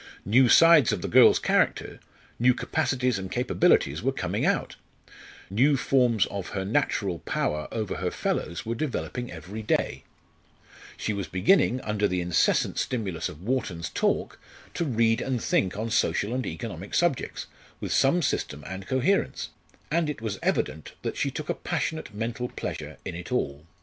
New sides of the girl's character, new capacities and capabilities were coming out; new forms of her natural power over her fellows were developing every day; she was beginning, under the incessant stimulus of Wharton's talk, to read and think on social and economic subjects, with some system and coherence, and it was evident that she took a passionate mental pleasure in it all.